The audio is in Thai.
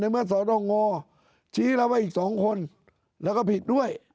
ในเมื่อสตงชี้เราอีกสองคนแล้วก็ผิดด้วย